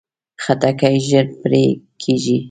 خټکی ژر پرې کېږي.